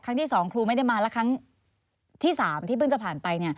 ที่๒ครูไม่ได้มาแล้วครั้งที่๓ที่เพิ่งจะผ่านไป